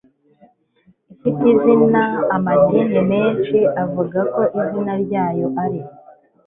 ifite izina Amadini menshi avuga ko izina ryayo ari